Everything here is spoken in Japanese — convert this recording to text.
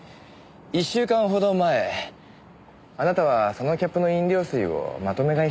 １週間ほど前あなたはそのキャップの飲料水をまとめ買いしましたね？